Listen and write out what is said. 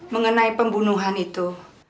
mengenai pembunuhan itu